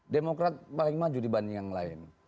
demokrat paling maju dibanding yang lain